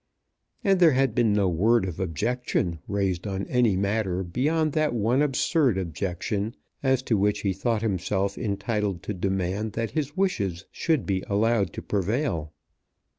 And there had been no word of objection raised on any matter beyond that one absurd objection as to which he thought himself entitled to demand that his wishes should be allowed to prevail.